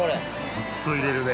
ずっといれるね。